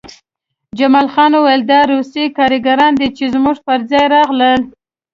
جمال خان وویل دا روسي کارګران دي چې زموږ پرځای راغلل